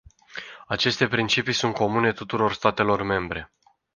Aceste principii sunt comune tuturor statelor membre.